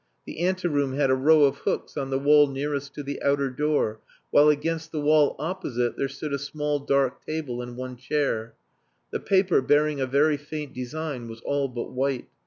The ante room had a row of hooks on the wall nearest to the outer door, while against the wall opposite there stood a small dark table and one chair. The paper, bearing a very faint design, was all but white.